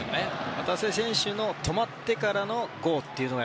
旗手選手の止まってからのゴーという。